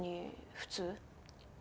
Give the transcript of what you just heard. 普通。